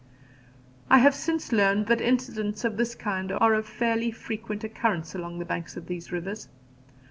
I have since learned that accidents of this kind are of fairly frequent occurrence along the banks of these rivers.